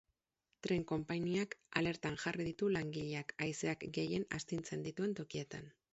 Tren konpainiak alertan jarri ditu langileak haizeak gehien astintzen dituen tokietan.